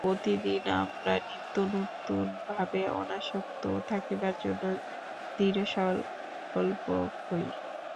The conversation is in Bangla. প্রতিদিন আমরা নিত্য নূতনভাবে অনাসক্ত থাকিবার জন্য দৃঢ়সঙ্কল্প হই।